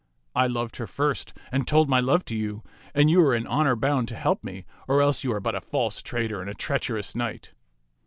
I loved her first and told my love to you, and you are in honor bound to help me, or else you are but a false traitor and a treacher ous knight."